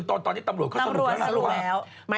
ในเมื่อที่ตำรวจเขาถูกเพลินเรียกระเบิดสาเหรอ